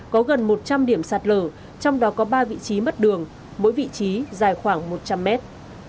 có gần một trăm linh điểm sạt lở trong đó có ba vị trí mất đường mỗi vị trí dài khoảng một trăm linh mét